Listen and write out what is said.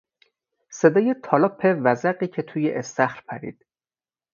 صدای تالاپ وزغی که توی استخر پرید